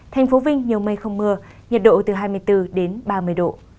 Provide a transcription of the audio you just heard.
thành phố vinh nhiều mây không mưa nhiệt độ từ hai mươi bốn đến ba mươi độ